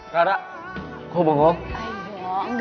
rara kok bengong